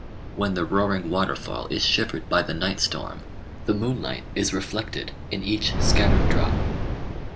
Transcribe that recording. "When the roaring waterfall is shivered by the night storm, the moonlight is reflected in each scattered drop."